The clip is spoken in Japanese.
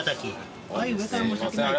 上から申し訳ないです。